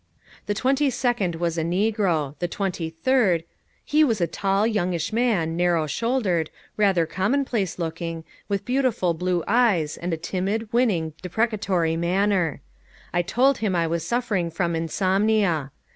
The twenty second was a negro. The twenty third ! He was a tall, youngish man, narrow shouldered, rather commonplace looking, with beautiful blue eyes, and a timid, winning, deprecatory manner. I told him I was suffering from insomnia.